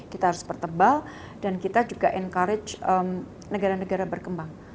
kita harus pertebal dan kita juga encourage negara negara berkembang